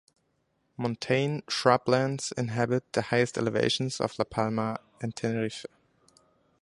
Montane shrublands inhabit the highest elevations on La Palma and Tenerife.